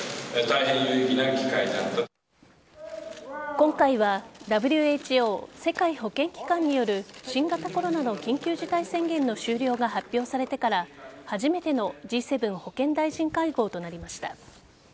今回はＷＨＯ＝世界保健機関による新型コロナの緊急事態宣言の終了が発表されてから初めてのＧ７保健大臣会合となりました。